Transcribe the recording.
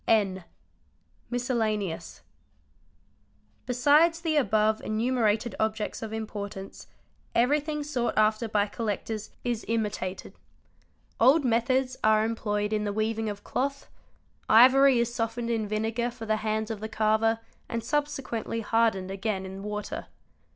N. Miscellaneous. Besides the above enumerated objects of importance, everything sought after by collectors is imitated. Old methods are employed in the weaving of cloth; ivory is softened in vinegar for the hands of the carver, — and subsequently hardened again in water.